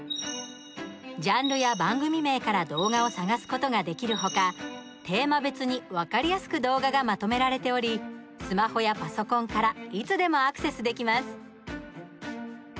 ジャンルや番組名から動画を探すことができる他テーマ別に分かりやすく動画がまとめられておりスマホやパソコンからいつでもアクセスできます。